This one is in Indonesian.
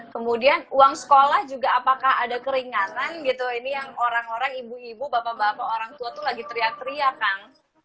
kemudian uang sekolah juga apakah ada keringanan gitu ini yang orang orang ibu ibu bapak bapak orang tua tuh lagi teriak teriak kang